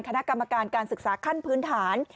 คณะกรรมการการศึกษาขั้นพื้นฐาน